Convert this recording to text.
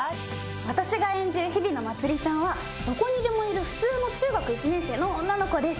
私が演じる陽比野まつりちゃんはどこにでもいる普通の中学１年生の女の子です。